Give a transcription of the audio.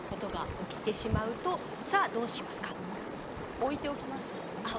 置いておきます。